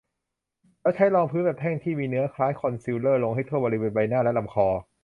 แล้วใช้รองพื้นแบบแท่งที่มีเนื้อคล้ายคอนซีลเลอร์ลงให้ทั่วบริเวณใบหน้า และลำคอ